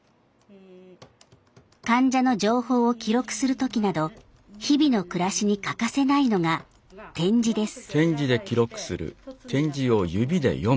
患者の情報を記録する時など日々の暮らしに欠かせないのが点字です。